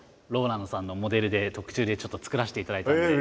ＲＯＬＡＮＤさんのモデルで特注でちょっと作らせていただいたんで。